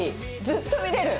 ずっと見れる！